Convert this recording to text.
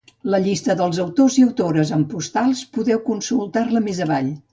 La llista dels autors i autores amb postals podeu consultar-la més avall.